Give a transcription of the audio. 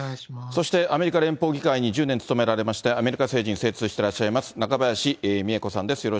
そして、アメリカ連邦議会に１０年勤められまして、アメリカ政治に精通していらっしゃいます、中林美恵子さんです。